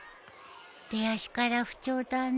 出足から不調だね。